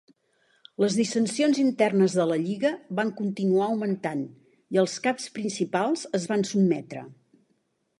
Les dissensions internes de la lliga van continuar augmentant i els caps principals es van sotmetre.